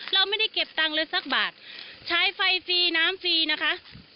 เราไม่ได้เก็บตังค์เลยสักบาทใช้ไฟฟรีน้ำฟรีนะคะ